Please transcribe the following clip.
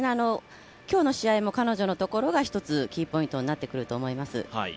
今日の試合も彼女のところがキーポイントになってくると思います。